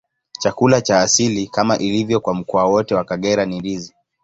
Chakula cha asili, kama ilivyo kwa mkoa wote wa Kagera, ni ndizi.